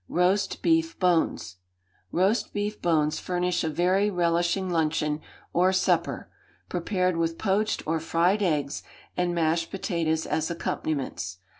Roast Beef Bones Roast beef bones furnish a very relishing luncheon or supper, prepared with poached or fried eggs and mashed potatoes as accompaniments.